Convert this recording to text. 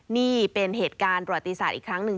นี่เป็นเหตุการณ์ประวัติศาสตร์อีกครั้งหนึ่ง